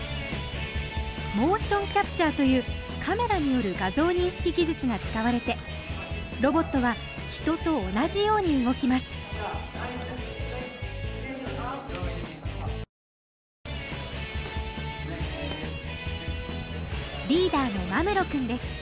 モーションキャプチャーというカメラによる画像認識技術が使われてロボットは人と同じように動きますリーダーの真室くんです。